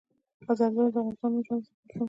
زردالو د افغانانو ژوند اغېزمن کوي.